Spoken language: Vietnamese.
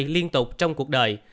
liên tục trong cuộc đời